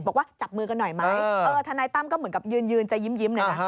บอกว่าจับมือกันหน่อยไหมทนายตั้มก็เหมือนกับยืนจะยิ้มเลยนะ